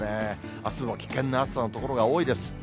あすも危険な暑さの所が多いです。